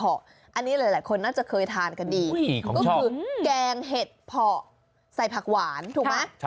อันนี้หลายคนน่าจะเคยทานกันดีก็คือแกงเห็ดเพาะใส่ผักหวานถูกไหม